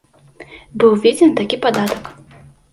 Быў уведзены такі падатак.